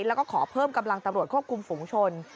แล้วก็ขอเพิ่มกำลังตำรวจควบคุมฝุงชน